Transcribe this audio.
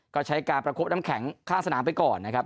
ก็ใช้การประคบน้ำแข็งข้างสนามไปก่อนนะครับ